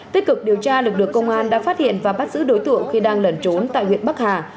tích cực điều tra lực lượng công an đã phát hiện và bắt giữ đối tượng khi đang lẩn trốn tại huyện bắc hà